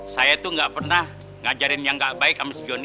saya tuh gak pernah ngajarin yang gak baik sama si johnn